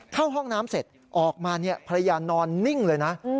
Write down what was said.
เข้าห้องน้ำเสร็จออกมาภรรยานอนนิ่งเลยนะ